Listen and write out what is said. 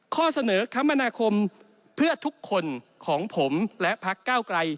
ข้อเสนอคมนาคมเพื่อทุกคนของผมและพักก้าวไกล